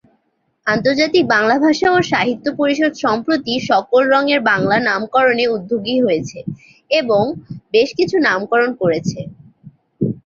আন্তর্জাতিক বাংলা ভাষা ও সাহিত্য পরিষদ সম্প্রতি সকল রংয়ের বাংলা নামকরণে উদ্যোগী হয়েছে এবং বেশকিছু নামকরণ করেছে।